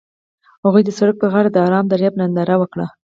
هغوی د سړک پر غاړه د آرام دریاب ننداره وکړه.